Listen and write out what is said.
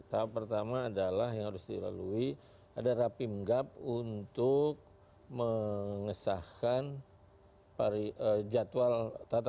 tahap pertama adalah yang harus dilalui ada rapim gap untuk mengesahkan jadwal tatap